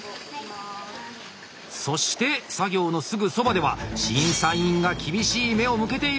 そして作業のすぐそばでは審査委員が厳しい目を向けている！